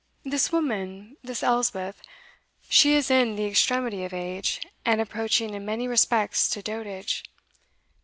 This woman this Elspeth, she is in the extremity of age, and approaching in many respects to dotage.